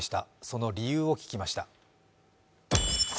その理由を聞きました。